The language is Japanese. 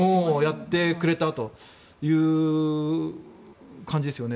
やってくれたという感じですよね。